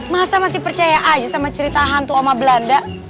masa masih percaya aja sama cerita hantu oma belanda